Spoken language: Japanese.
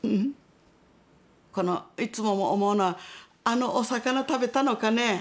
いつも思うのはあのお魚を食べたのかね。